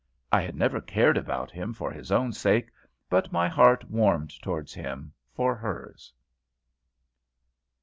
I had never cared about him for his own sake, but my heart warmed towards him for hers.